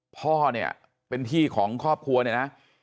พ่อเนี่ยเป็นที่ของครอบครัวเนี่ยนะ